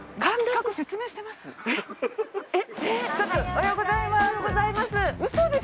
おはようございます。